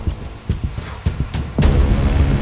mungkin gue bisa dapat petunjuk lagi disini